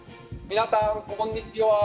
皆さん、こんにちは。